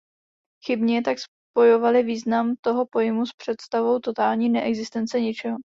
Chybně tak spojovali význam toho pojmu s představou totální neexistence ničeho.